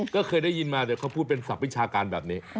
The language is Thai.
ก็เคยได้ยินมาแต่เขาพูดเป็นศัพทวิชาการแบบนี้